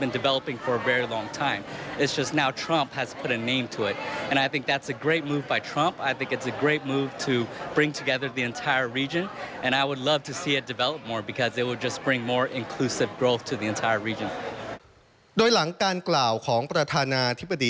โดยหลังการกล่าวของประธานาธิบดี